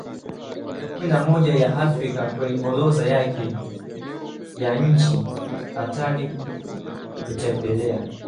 kumi na moja ya Afrika kwenye orodha yake ya nchi hatari kutembelea